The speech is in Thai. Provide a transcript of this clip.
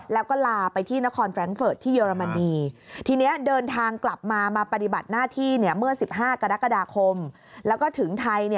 แล้วก็ลาไปที่นครแฟรงเฟิร์ตที่เยอรมนี